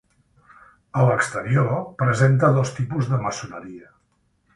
A l'exterior presenta dos tipus de maçoneria.